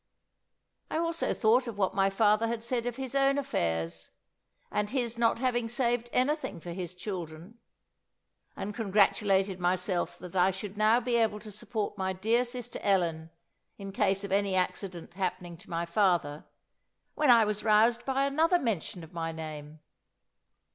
I also thought of what my father had said of his own affairs, and his not having saved anything for his children, and congratulated myself that I should now be able to support my dear sister Ellen, in case of any accident happening to my father, when I was roused by another mention of my name.